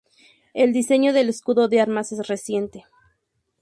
El diseño del escudo de armas es reciente.